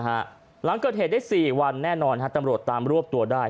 หลังเกิดเหตุได้๔วันแน่นอนตำรวจตามรวบตัวได้